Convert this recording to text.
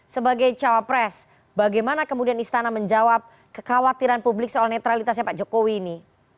sebagai cawapres bagaimana kemudian istana menjawab kekhawatiran publik soal netralitasnya pak jokowi ini